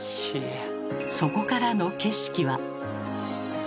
そこからの景色は。